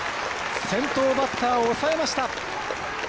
先頭バッターを抑えました。